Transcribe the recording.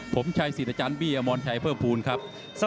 ผมชัยสิรจรัชชาญอัมมอนชัยเพิ่มพูลครับ